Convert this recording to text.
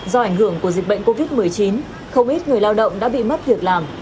do ảnh hưởng của dịch bệnh covid một mươi chín không ít người lao động đã bị mất việc làm